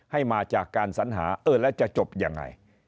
ให้มาจากการสัญหาเออแล้วจะจบยังไง